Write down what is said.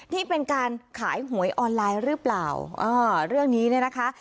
ที่เป็นการขายหวยออนไลน์หรือเปล่าเออเรื่องนี้เนี่ยนะคะ